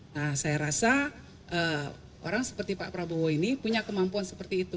nah saya rasa orang seperti pak prabowo ini punya kemampuan seperti itu